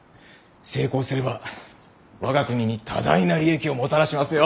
成功すれば我が国に多大な利益をもたらしますよ。